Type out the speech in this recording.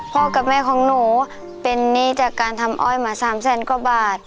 พ่อกับแม่ของหนูเป็นหนี้จากการทำอ้อยมา๓แสนกว่าบาท